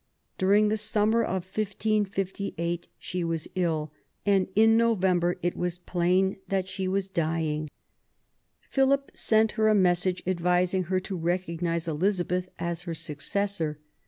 During the summer of 1558 she was ill, and in November it was plain that she was dying. Philip sent her a message advising her to recognise Eliza beth as her successor.